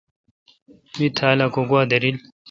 می تھال اؘ کو گوا دیرل۔